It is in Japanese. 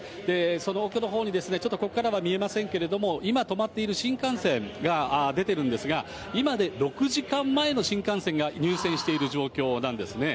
その奥のほうにですね、ちょっとここからは見えませんけれども、今止まっている新幹線が出てるんですが、今で６時間前の新幹線が入線している状況なんですね。